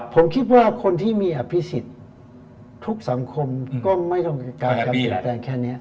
ผมคิดว่าคนที่มีอภิษฎทุกสังคมก็ไม่ต้องการการเปลี่ยนแปลงแค่นี้